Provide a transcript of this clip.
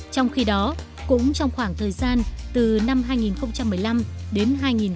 trong khi đó cũng trong khoảng thời gian từ năm hai nghìn một mươi năm đến hai nghìn một mươi